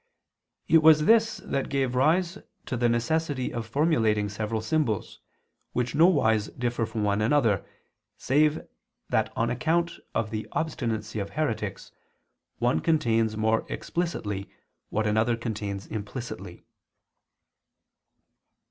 It was this that gave rise to the necessity of formulating several symbols, which nowise differ from one another, save that on account of the obstinacy of heretics, one contains more explicitly what another contains implicitly.